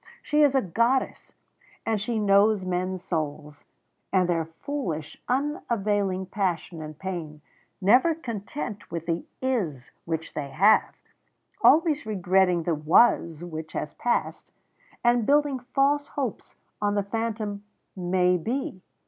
She is a goddess, and she knows men's souls, and their foolish unavailing passion and pain never content with the Is which they have, always regretting the Was which has passed, and building false hopes on the phantom _May be.